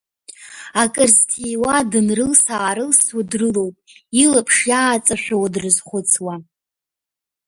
Акыр зҭиуа дынрылс-аарылсуа дрылоуп, илаԥш иааҵашәауа дрызхәыцуа.